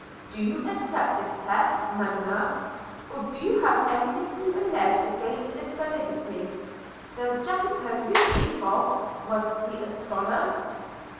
Do you accept this test, Melema? or have you anything to allege against its validity? The Jacopo you speak of, was he a scholar?"